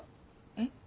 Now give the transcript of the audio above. えっ？